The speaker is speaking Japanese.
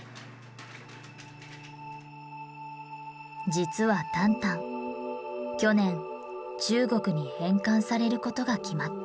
実はタンタン去年中国に返還されることが決まった。